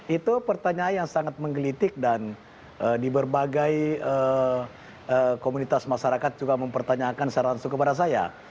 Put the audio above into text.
itu pertanyaan yang sangat menggelitik dan di berbagai komunitas masyarakat juga mempertanyakan secara langsung kepada saya